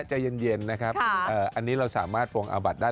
ใจเย็นนะครับอันนี้เราสามารถปรงอาบัตรได้